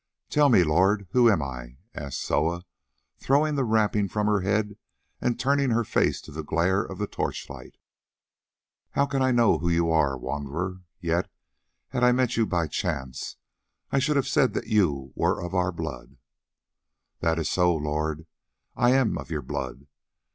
"Tell me, lord, who am I?" asked Soa, throwing the wrapping from her head and turning her face to the glare of the torchlight. "How can I know who you are, wanderer? Yet, had I met you by chance, I should have said that you were of our blood." "That is so, lord, I am of your blood.